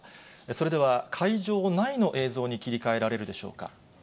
それでは会場内の映像に切り替えられるでしょうか。